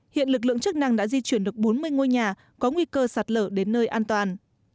hiện lực lượng chức năng đã di chuyển được bốn mươi ngôi nhà có nguy cơ sạt lở đến nơi an toàn